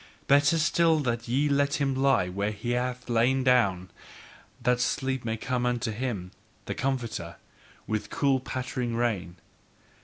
Better still that ye let him lie where he hath lain down, that sleep may come unto him, the comforter, with cooling patter rain.